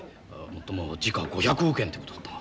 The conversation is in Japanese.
もっとも時価５００億円ってことだった。